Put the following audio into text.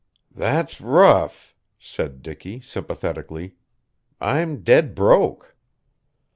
"That's rough," said Dicky sympathetically. "I'm dead broke."